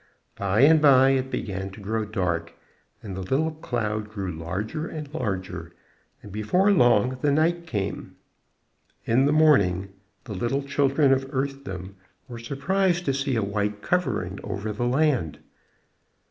By and by it began to grow dark, and the little cloud grew larger and larger, and before long the night came. In the morning the little children of Earthdom were surprised to see a white covering over the land.